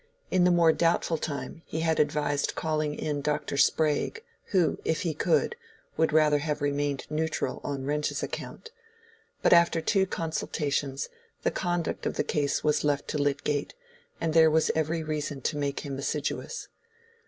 In the more doubtful time, he had advised calling in Dr. Sprague (who, if he could, would rather have remained neutral on Wrench's account); but after two consultations, the conduct of the case was left to Lydgate, and there was every reason to make him assiduous.